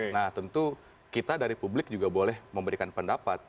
nah tentu kita dari publik juga boleh memberikan pendapat